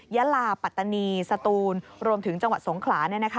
ยาลาปัตตานีสตูนรวมถึงจังหวัดสงขลา